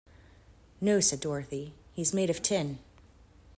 "No," said Dorothy, "he's made of tin."